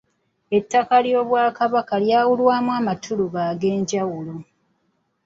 Ettaka ly'Obwakabaka lyawulwamu amatuluba ag'enjawulo.